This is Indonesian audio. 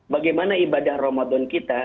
bagaimana ibadah ramadan kita